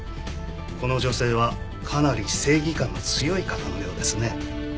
この女性はかなり正義感の強い方のようですね。